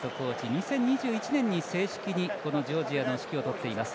２０２１年から正式にジョージアの指揮を執っています。